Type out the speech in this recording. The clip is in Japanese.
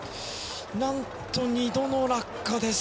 何と２度の落下です。